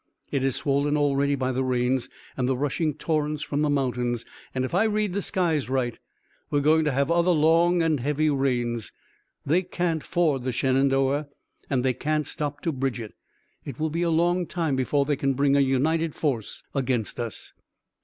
It is swollen already by the rains and the rushing torrents from the mountains, and if I read the skies right we're going to have other long and heavy rains. They can't ford the Shenandoah and they can't stop to bridge it. It will be a long time before they can bring a united force against us."